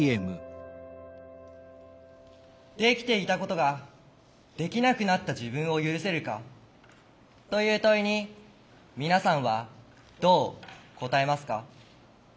「できていたことができなくなった自分を許せるか？」という問いに皆さんはどう答えますか？